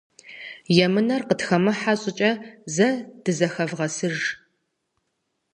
Емынэр къытхэмыхьэ щӏыкӏэ зэ дызэхэвгъэсыж.